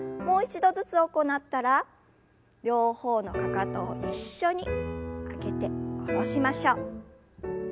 もう一度ずつ行ったら両方のかかとを一緒に上げて下ろしましょう。